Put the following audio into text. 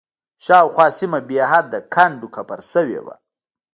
شاوخوا سیمه بېحده کنډ و کپر شوې وه.